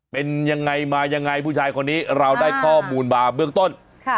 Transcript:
เป็นยังไงมายังไงผู้ชายคนนี้เราได้ข้อมูลมาเบื้องต้น